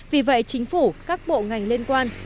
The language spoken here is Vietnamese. vì vậy chính phủ các bộ ngành liên quan